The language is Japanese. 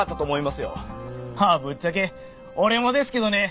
まあぶっちゃけ俺もですけどね。